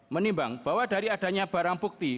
menimbang bahwa dari adanya barang bukti